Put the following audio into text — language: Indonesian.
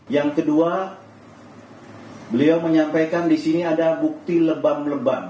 yang kedua beliau menyampaikan disini ada bukti lebam leban